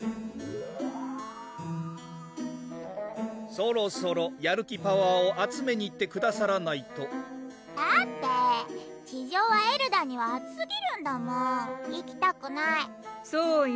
そろそろやる気パワーを集めに行ってくださらないとだって地上はエルダには暑すぎるんだもん行きたくないそうよ